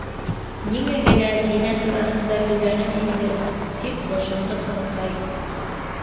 — Ниңә генә Динә тураһында һөйләнем инде! —тип бо- шондо ҡыҙыҡай.